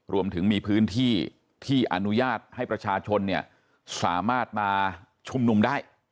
รวมถึงมีพื้นที่ที่อนุญาตให้ประชาชนสามารถมาชุมนุมได้